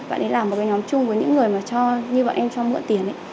bạn ấy làm một cái nhóm chung với những người như bọn em cho mượn tiền